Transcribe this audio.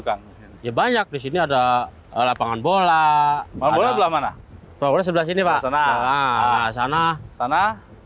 kan ya banyak di sini ada lapangan bola bola mana mana sebelah sini pak sana sana sana